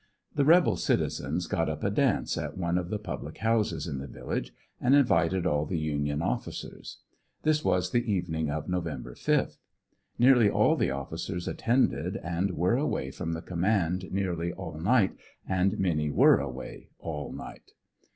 The rebel citizens got up a dance at one of the public houses in the village, and invited all the union offiicers. This was the evening of Nov. 5th. Nearly all the officers attended and were away from the command nearly all right and many were away all night.